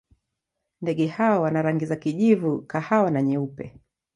Ndege hawa wana rangi za kijivu, kahawa na nyeupe.